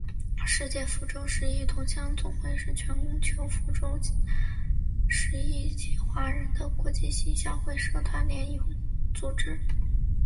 世界福州十邑同乡总会是全球福州十邑籍华人的国际性乡会社团联谊组织。